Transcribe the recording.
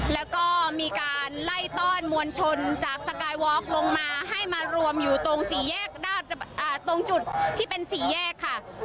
แล้วก็มีการไล่ต้อนมวลชนจากสกายวอล์กลงมาให้มารวมอยู่ตรงสี่แยกด้านตรงจุดที่เป็นสี่แยกค่ะ